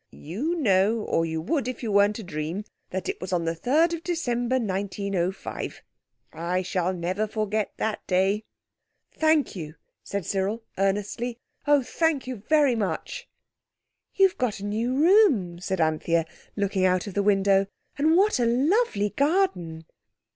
"You know, or you would if you weren't a dream, that it was on the 3rd December, 1905. I shall never forget that day." "Thank you," said Cyril, earnestly; "oh, thank you very much." "You've got a new room," said Anthea, looking out of the window, "and what a lovely garden!"